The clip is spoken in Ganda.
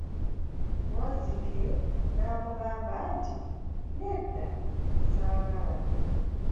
Wazzike n'amugamba nti, nedda saagala.